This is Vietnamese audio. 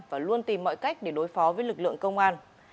và luôn tìm mọi cách để đối phó với lực lượng công an